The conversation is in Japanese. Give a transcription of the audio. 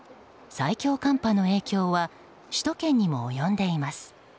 最強寒波の影響は首都圏にも及んでいます。